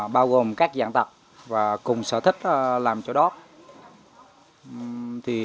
bao gồm các dạng tật và cùng sở thích làm trồi đót